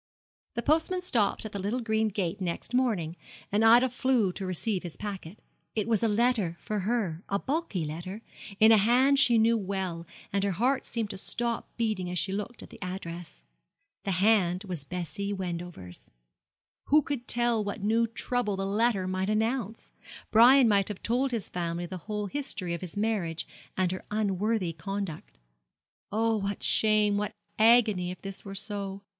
The postman stopped at the little green gate next morning, and Ida flew to receive his packet. It was a letter for her a bulky letter in a hand she knew well, and her heart seemed to stop beating as she looked at the address. The hand was Bessie Wendover's. Who could tell what new trouble the letter might announce? Brian might have told his family the whole history of his marriage and her unworthy conduct. Oh, what shame, what agony, if this were so!